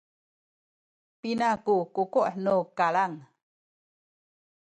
pina ku kuku’ nu kalang?